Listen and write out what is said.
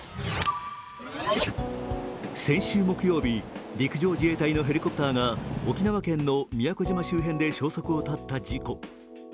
先週木曜日、陸上自衛隊のヘリコプターが沖縄県の宮古島周辺で消息を絶った事故。